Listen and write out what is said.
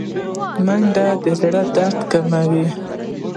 منډه د زړه درد کموي